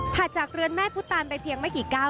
จากเรือนแม่พุตานไปเพียงไม่กี่ก้าว